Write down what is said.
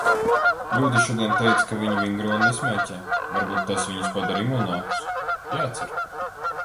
Ļuda šodien teica, ka viņi vingro un nesmēķē. Varbūt tas viņus padara imūnākus. Jācer.